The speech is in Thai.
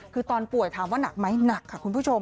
คือตอนป่วยถามว่าหนักไหมหนักค่ะคุณผู้ชม